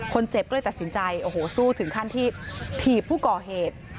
คนเจ็บก็เลยตัดสินใจโอ้โหสู้ถึงขั้นที่ถีบผู้ก่อเหตุ